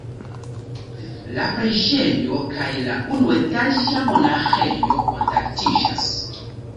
La preĝejo kaj la unuetaĝa monaĥejo kontaktiĝas.